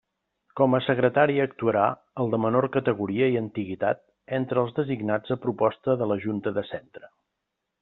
Com a secretari actuarà el de menor categoria i antiguitat entre els designats a proposta de la junta de centre.